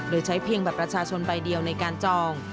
โดยใช้เพียงบัตรประชาชนใบเดียวในการจอง